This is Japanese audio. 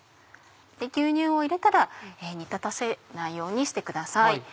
牛乳を入れたら煮立たせないようにしてください。